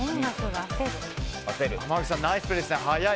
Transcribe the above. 濱口さんナイスプレーです。